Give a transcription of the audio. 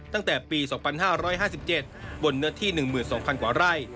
ตั้งแต่ปี๒๕๕๗บนเนื้อที่๑๒๐๐กว่าไร่